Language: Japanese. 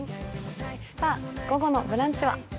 さあ、午後の「ブランチ」は？